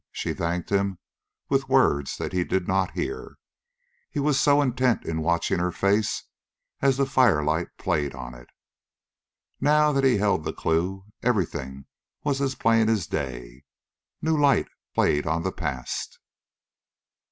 She thanked him with words that he did not hear, he was so intent in watching her face, as the firelight played on it. Now that he held the clue, everything was as plain as day. New light played on the past.